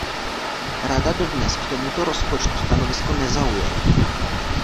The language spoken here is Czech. Rada dodnes k tomuto rozpočtu stanovisko nezaujala.